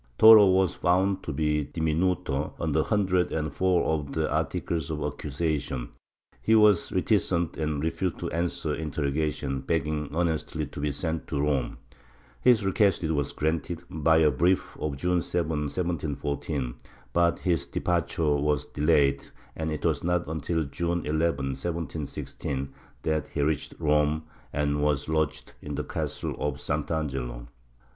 Toro was found to be dimimdo on a hundred and four of the articles of accusation ; he was reticent and refused to answer interrogations, begging earnestly to be sent to Rome. His request was granted, by a brief of June 7, 1714, but his departure was delayed, and it was not until June 11, 1716, that he reached Rome and was lodged in the castle of Sant'Angelo.